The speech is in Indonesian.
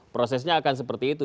prosesnya akan seperti itu